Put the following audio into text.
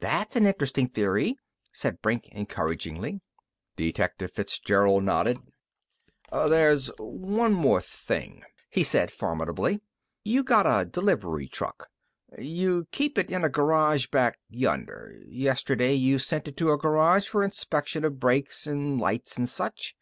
"That's an interesting theory," said Brink encouragingly. Detective Fitzgerald nodded. "There's one thing more," he said formidably. "You got a delivery truck. You keep it in a garage back yonder. Yesterday you sent it to a garage for inspection of brakes an' lights an' such."